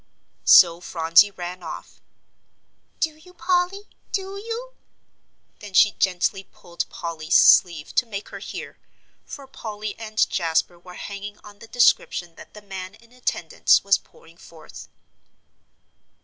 So Phronsie ran off. "Do you, Polly? Do you?" then she gently pulled Polly's sleeve to make her hear, for Polly and Jasper were hanging on the description that the man in attendance was pouring forth.